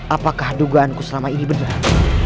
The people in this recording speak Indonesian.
apakah dugaanku selama ini benar